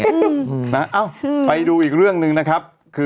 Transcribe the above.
เอ้าไปดูอีกเรื่องหนึ่งนะครับคือ